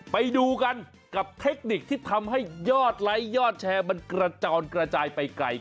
ไปดูกันกับเทคนิคที่ทำให้ยอดไลค์ยอดแชร์มันกระจอนกระจายไปไกล